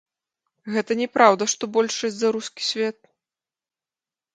Гэта не праўда, што большасць за рускі свет.